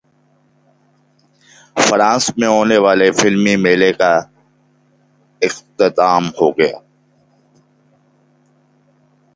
France میں ہونے والے فلمی میلے کا اختتام